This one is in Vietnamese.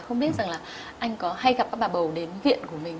không biết anh có hay gặp các bà bầu đến viện của mình